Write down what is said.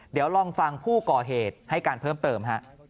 เดี๋ยวลองฟังผู้ก่อเหตุให้การเพิ่มเติม